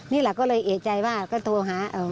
นี่แหละก็เลยเอกใจว่าก็โทรหา